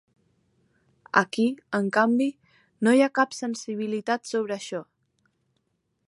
Aquí, en canvi, no hi ha cap sensibilitat sobre això.